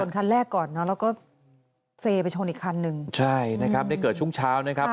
คันแรกก่อนเนอะแล้วก็เซไปชนอีกคันนึงใช่นะครับได้เกิดช่วงเช้านะครับ